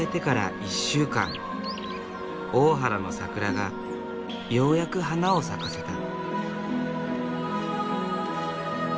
大原の桜がようやく花を咲かせた。